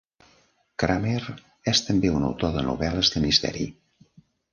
Kramer és també un autor de novel·les de misteri.